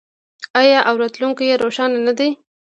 آیا او راتلونکی یې روښانه نه دی؟